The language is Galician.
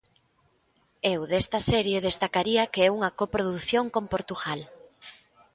Eu desta serie destacaría que é unha coprodución con Portugal.